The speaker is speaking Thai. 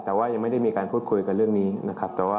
แต่ว่ายังไม่ได้มีการพูดคุยกันเรื่องนี้นะครับ